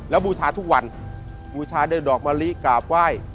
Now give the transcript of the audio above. แล้วบูชาทุกวันบูชาด้วยดอกมะลิกราบไหว้